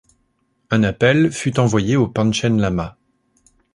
Un appel fut envoyé au Panchen Lama.